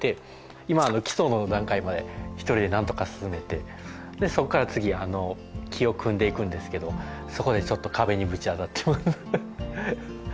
今基礎の段階まで１人でなんとか進めてそこから次木を組んでいくんですけどそこでちょっと壁にぶち当たってます。